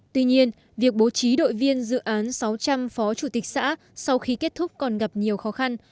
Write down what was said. tuy nhiên việc bố trí đội viên dự án sáu trăm linh phó chủ tịch xã sau khi kết thúc còn gặp nhiều khó khăn